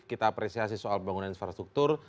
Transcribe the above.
kita apresiasi soal pembangunan infrastruktur